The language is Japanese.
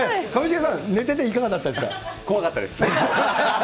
上重さん、寝てていかがでし怖かったです。